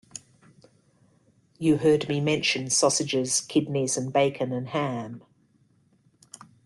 You heard me mention sausages, kidneys and bacon and ham.